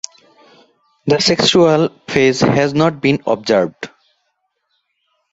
The sexual phase has not been observed.